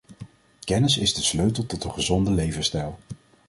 Kennis is de sleutel tot een gezonde levensstijl.